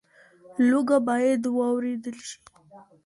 لوږه باید واورېدل شي.